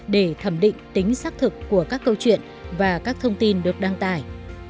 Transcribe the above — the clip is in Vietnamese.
để thẩm định tính xác thực của các câu chuyện và các thông tin được đăng tải